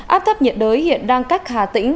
áp thấp nhiệt đới hiện đang cắt hà tĩnh